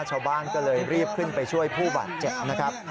ชาวบ้านก็เลยรีบขึ้นไปช่วยผู้บาดเจ็บนะครับ